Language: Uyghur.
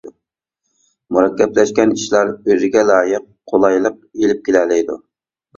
مۇرەككەپلەشكەن ئىشلار ئۆزىگە لايىق قولايلىق ئېلىپ كېلەلەيدۇ.